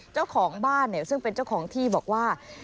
เจ้าของบ้านเนี่ยซึ่งเป็นเจ้าของที่บอกว่า